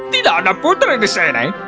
tidak ada putri di sana